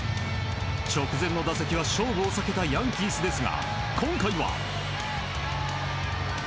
直前の打席は勝負を避けたヤンキースですが今回は。